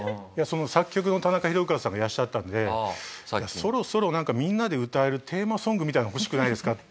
その作曲の田中宏和さんがいらっしゃったのでそろそろみんなで歌えるテーマソングみたいなの欲しくないですか？